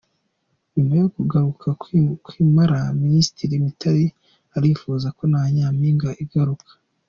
Nyuma yo kugaruka kw’Impala, Minisitiri Mitali arifuza ko na Nyampinga igaruka